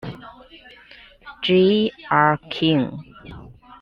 J. R. King.